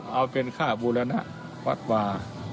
เอาเป็นค่าบูรณวัฒน์วัดวา